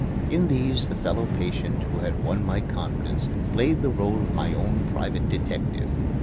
In these the fellow patient who had won my confidence played the role of my own private detective.